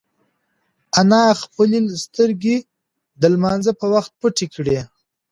انا خپلې سترگې د لمانځه په وخت پټې کړې.